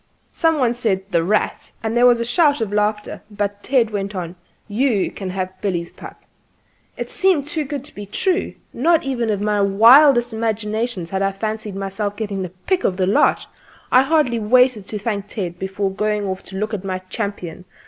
Some one said "The Rat," and there was a shout of laughter, but Ted went on; "You can have Billy's pup." It seemed too good to be true; not even in my wildest imaginings had I fancied myself getting the pick of the lot. I hardly waited to thank Ted before going off to look at my champion.